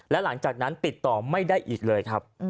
และหลังจากนั้นติดต่อไม่ได้อีกเลยครับ